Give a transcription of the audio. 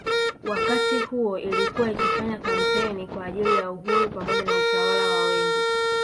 Wakati huo ilikuwa ikifanya kampeni kwa ajili ya uhuru pamoja na utawala wa wengi